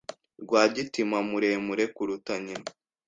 Rwagitima muremure kuruta nyina.